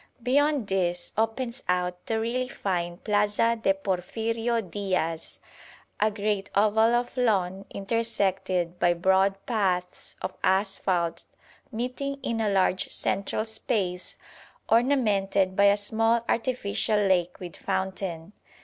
Beyond this opens out the really fine Plaza de Porfirio Diaz, a great oval of lawn intersected by broad paths of asphalt meeting in a large central space ornamented by a small artificial lake with fountain.